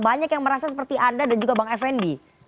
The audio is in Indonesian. banyak yang merasa seperti anda dan juga bang effendi